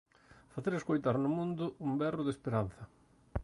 Facer escoitar no mundo un berro de esperanza.